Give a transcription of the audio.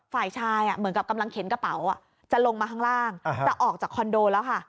ฝ่ายชายเหมือนกับกำลังเข็นกระเป๋าจะลงมาข้างล่างจะออกจากคอนโดแล้วค่ะ